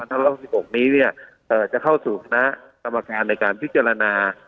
วันทั้งวันสี่สิบหกนี้เนี้ยเอ่อจะเข้าสู่คณะกรรมการในการพิจารณา